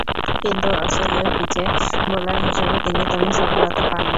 কিন্তু অস্ট্রেলীয় পিচে বোলার হিসেবে তিনি তেমন সফলতা পাননি।